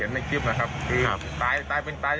อืมแล้วเขาไปมีครอบครัวใหม่แล้วยังครับ